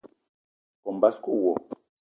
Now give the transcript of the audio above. Kome basko wo.